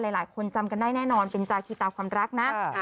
หลายคนจำกันได้แน่นอนเป็นจาคีตาความรักนะ